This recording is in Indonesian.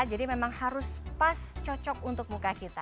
jadi memang harus pas cocok untuk muka kita